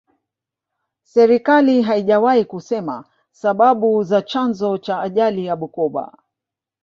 serikali haijawahi kusema sababu za chanzo cha ajali ya bukoka